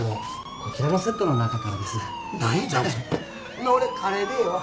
んなら俺カレーでええわ。